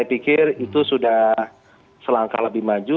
saya pikir itu sudah selangkah lebih maju